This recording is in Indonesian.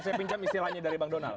saya pinjam istilahnya dari bang donald